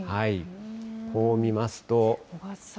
こう見ますと。